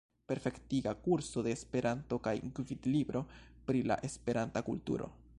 Perfektiga kurso de Esperanto kaj Gvidlibro pri la Esperanta kulturo.